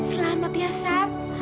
selamat ya sat